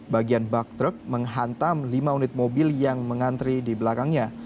bagian bak truk menghantam lima unit mobil yang mengantri di belakangnya